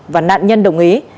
và nạn nhân đồng ý